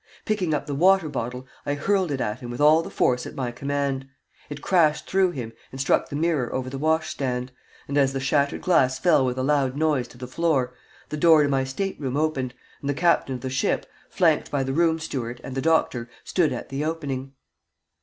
Picking up the water bottle, I hurled it at him with all the force at my command. It crashed through him and struck the mirror over the wash stand, and as the shattered glass fell with a loud noise to the floor the door to my state room opened, and the captain of the ship, flanked by the room steward and the doctor, stood at the opening.